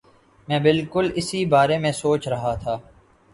میں بالکل اسی بارے میں سوچ رہا تھا